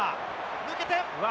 抜けて。